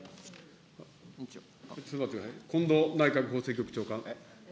近藤内閣法制局長官。